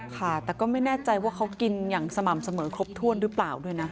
ค่ะแต่ก็ไม่แน่ใจว่าเขากินอย่างสม่ำเสมอครบถ้วนหรือเปล่าด้วยนะ